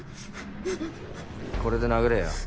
これで殴れよ。